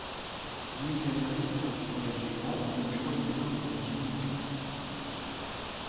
Louis Salvérius est ensuite engagé en au bureau de dessin des éditions Dupuis.